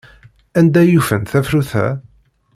Anda ay ufant tafrut-a?